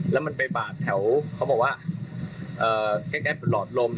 แล้วมันไปบาดแถวเขาบอกว่าใกล้หลอดลม